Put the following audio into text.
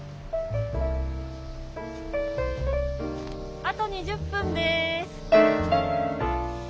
あと２０分です。